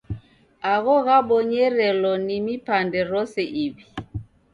Agho ghabonyerelo ni mipande rose iw'i.